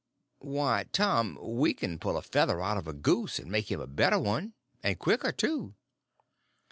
"Why, Tom, we can pull a feather out of a goose and make him a better one; and quicker, too."